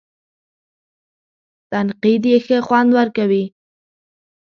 تنقید یې ښه خوند ورکوي.